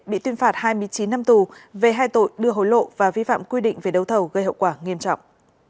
bị tuyên phạt hai mươi chín năm tù về hai tội đưa hối lộ và vi phạm quy định về đấu thầu gây hậu quả nghiêm trọng